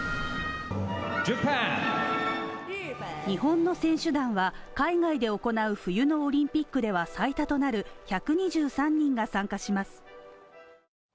日本の選手団は海外で行う冬のオリンピックでは最多となる１２３人が参加します。